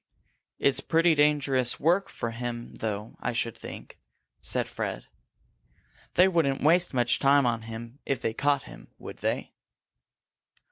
"It's pretty dangerous work for him, though, I should think," said Fred. "They wouldn't waste much time on him if they caught him, would they?"